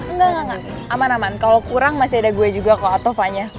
engga engga aman aman kalau kurang masih ada gue juga ke auto vanya